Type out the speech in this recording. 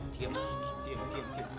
diam diam diam